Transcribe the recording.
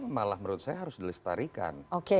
malah menurut saya harus dilestarikan